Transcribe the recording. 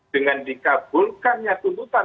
dengan dikabulkannya tuntutan